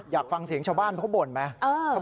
อยากฟังเสียงชาวบ้านเขาบ่นไหม